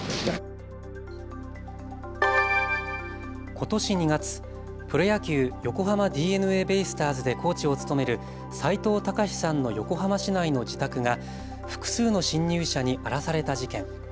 ことし２月、プロ野球、横浜ＤｅＮＡベイスターズでコーチを務める斎藤隆さんの横浜市内の自宅が複数の侵入者に荒らされた事件。